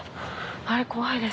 あれ怖いですね。